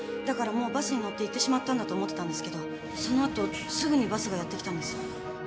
だからもうバスに乗っていってしまったんだと思ってたんですけどその後すぐにバスがやって来たんです。